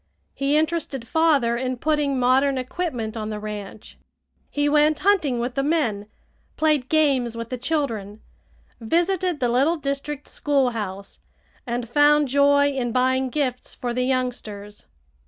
He interested father in putting modern equipment on the ranch. He went hunting with the men, played games with the children, visited the little district schoolhouse, and found joy in buying gifts for the youngsters.